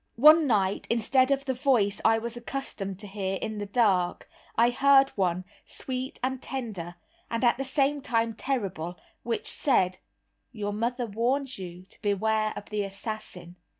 One night, instead of the voice I was accustomed to hear in the dark, I heard one, sweet and tender, and at the same time terrible, which said, "Your mother warns you to beware of the assassin."